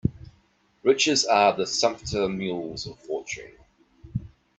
Riches are the sumpter mules of fortune